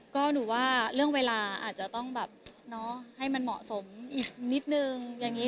ก็หนูว่าเรื่องเวลาอาจจะต้องให้มันเหมาะสมอีกนิดนึง